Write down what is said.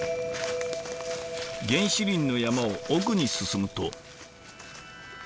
原始林の山を奥に進むと。